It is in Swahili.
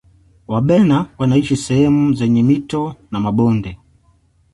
wabena wanaishi sehemu zenye mito na mabonde